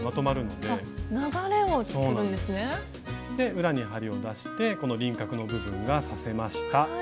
で裏に針を出してこの輪郭の部分が刺せました。